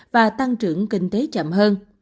và tăng trưởng kinh tế chậm hơn